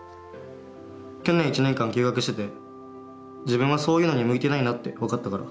去年１年間休学してて自分はそういうのに向いてないなって分かったから。